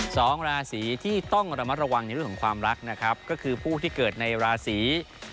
สองราศีที่ต้องระมัดระวังในเรื่องของความรักนะครับก็คือผู้ที่เกิดในราศี